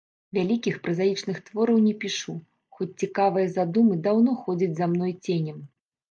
Вялікіх празаічных твораў не пішу, хоць цікавыя задумы даўно ходзяць за мной ценем.